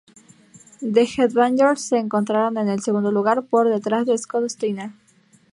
The Headbangers se encontraron en el segundo lugar, por detrás de Scott Steiner.